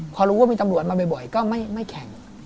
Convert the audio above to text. พอรู้ว่ามีตำรวจมาบ่อยก็ไม่แข่ง